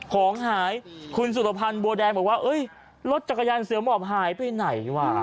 ของหายคุณสุรพันธ์บัวแดงบอกว่ารถจักรยานเสือหมอบหายไปไหนวะ